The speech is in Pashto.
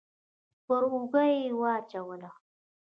پر اوږه يې واچوله.